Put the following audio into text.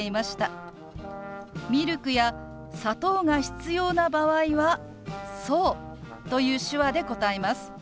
ミルクや砂糖が必要な場合は「そう」という手話で答えます。